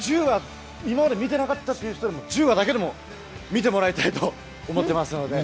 １０話、今まで見ていなかった人でも１０話だけでも見てもらいたいと思っています。